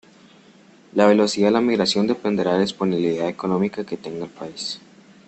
La velocidad de la migración dependerá de la disponibilidad económica que tenga el país.